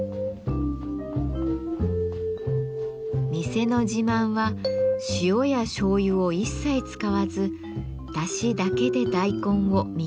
店の自慢は塩やしょうゆを一切使わずだしだけで大根を３日間煮込んだ一品です。